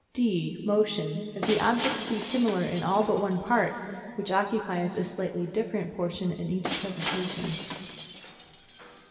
(d) Motion, if the objects be similar in all but one part, which occupies a slightly different portion in each presentation.